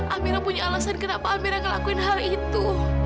amira punya alasan kenapa amira ngelakuin hal itu